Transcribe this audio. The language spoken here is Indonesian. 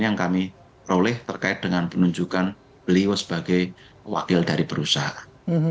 yang kami peroleh terkait dengan penunjukan beliau sebagai wakil dari perusahaan